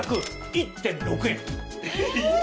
１．６円。